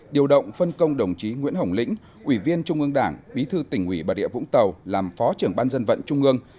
điều động phân công đồng chí nguyễn hồng lĩnh ủy viên trung ương đảng bí thư tỉnh ủy bà địa vũng tàu làm phó trưởng ban dân vận trung ương